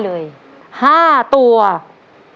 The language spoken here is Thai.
คุณฝนจากชายบรรยาย